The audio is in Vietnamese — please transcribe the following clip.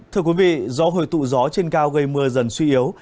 thưa quý vị do hồi tụ gió trên cao gây mưa dần suy yếu